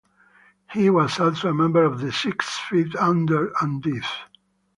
He was also a member of Six Feet Under and Death.